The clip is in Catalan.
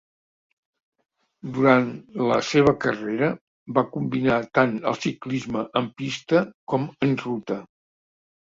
Durant la seva carrera va combinar tant el ciclisme en pista com en ruta.